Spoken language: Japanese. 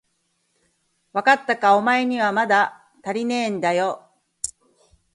わかったか、おまえにはまだたりねえだよ。